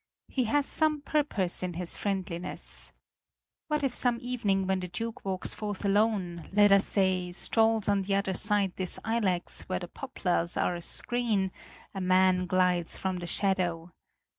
He has some purpose in his friendliness. What if some evening when the Duke walks forth alone, let us say strolls on the other side this ilex where the poplars are a screen, a man glides from the shadow?